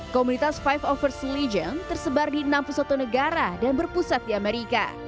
komunitas five overs legion tersebar di enam puluh satu negara dan berpusat di amerika